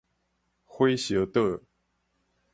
火燒島